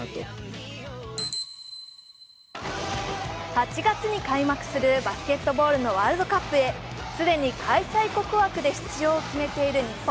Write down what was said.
８月に開幕するバスケットボールのワールドカップへ既に開催国枠で出場を決めている日本。